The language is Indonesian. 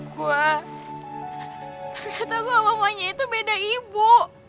gue ternyata gue sama fanya itu beda ibu